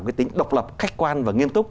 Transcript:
cái tính độc lập khách quan và nghiêm túc